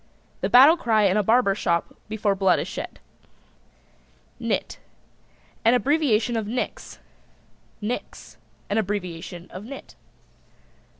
The battle cry in a barber shop before blood is shed. NIT. An abbreviation of Nix. NIX. An abbreviation of Nit.